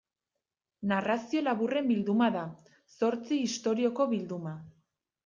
Narrazio laburren bilduma da, zortzi istorioko bilduma.